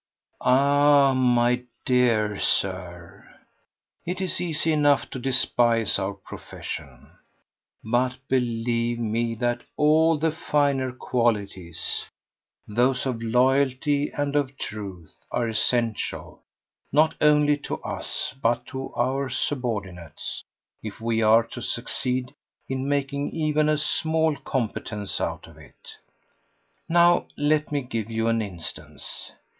Ah, my dear Sir, it is easy enough to despise our profession, but believe me that all the finer qualities—those of loyalty and of truth—are essential, not only to us, but to our subordinates, if we are to succeed in making even a small competence out of it. Now let me give you an instance.